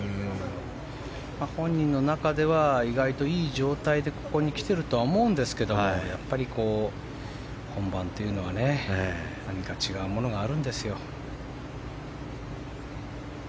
本人の中では意外といい状態でここに来てるとは思うんですけどやっぱり、本番というのは何か違うものがあるんですよ。